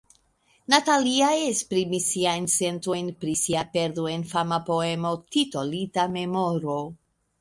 Natalia esprimis siajn sentojn pri sia perdo en fama poemo titolita "Memoro".